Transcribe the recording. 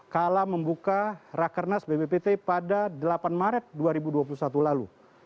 kala membuka rakernas bppt pada delapan maret dua ribu dua puluh satu lalu